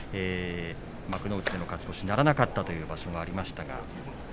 幕内での勝ち越しならなかったという場所もありました。